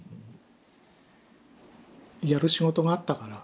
やる仕事があったから。